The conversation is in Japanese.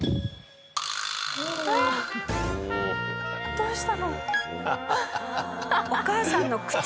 どうしたの？